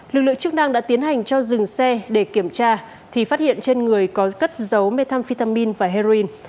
lực lượng chức năng đã tiến hành cho dừng xe để kiểm tra thì phát hiện trên người có cất dấu methamphetamin và heroin